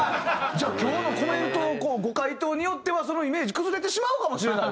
じゃあ今日のコメントご回答によってはそのイメージ崩れてしまうかもしれないよ。